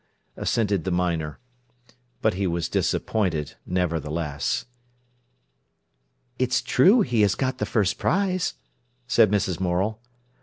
assented the miner. But he was disappointed nevertheless. "It's true he has got the first prize," said Mrs. Morel.